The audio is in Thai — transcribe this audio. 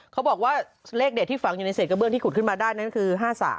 เขาบอกว่าเลขเด็ดที่ฝังอยู่ในเศษกระเบื้องที่ขุดขึ้นมาได้นั้นคือ๕๓